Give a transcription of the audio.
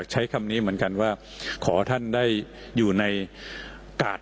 เหมือนกันว่าขอท่านได้อยู่ในกาด